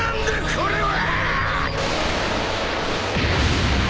これは！